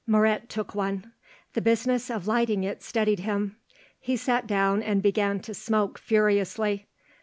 Moret took one; the business of lighting it steadied him; he sat down and began to smoke furiously.